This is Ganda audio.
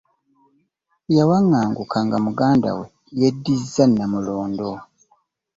Yawanganguka nga muganda we yeddizza nnamulondo